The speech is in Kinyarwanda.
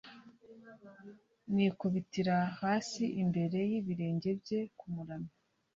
nikubitira hasi imbere y ibirenge bye kumuramya